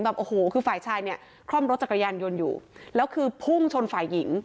แบบโอ้โหคือฝ่ายชายเนี่ยคล่อมรถจักรยานยนต์อยู่แล้วคือพุ่งชนฝ่ายหญิง